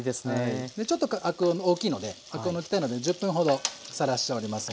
ちょっと大きいのでアクを抜きたいので１０分ほどさらしております。